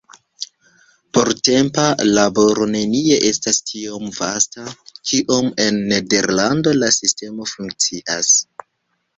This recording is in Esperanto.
Portempa laboro nenie estas tiom vasta, kiom en Nederlando la sistemo funkcias.